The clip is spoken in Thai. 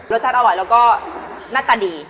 ชัดอร่อยแล้วก็หน้าตาดี